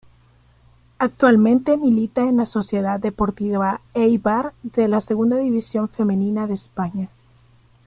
Actualmente milita en la Sociedad Deportiva Eibar de la Segunda División Femenina de España.